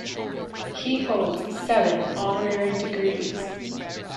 He holds seven honorary degrees.